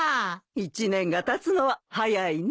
一年がたつのは早いね。